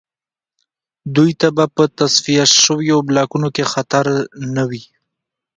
دوی ته به په تصفیه شویو بلاکونو کې خطر نه وي